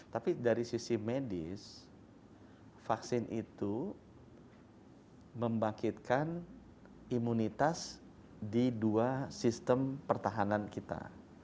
tapi dari sisi medis vaksin itu membangkitkan imunitas di dua sistem pertahanan kita